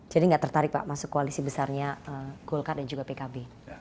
jadi tidak tertarik pak masuk koalisi besarnya golkar dan juga pkb